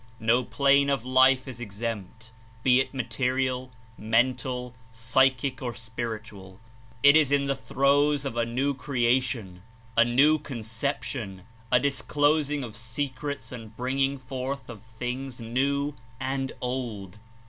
No plane the New .... of life is exempt; be it material, mental, psychic or spiritual, it Is In the throes of a new crea tion, a new conception, a disclosing of secrets and bringing forth of things new and old.